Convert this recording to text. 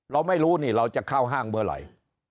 เราไม่รู้นี่เราจะเข้าห้างเมื่อไหร่